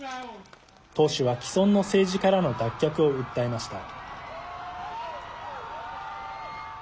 党首は、既存の政治からの脱却を訴えました。